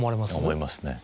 思いますね。